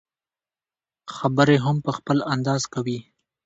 خبرې هم په خپل انداز کوي.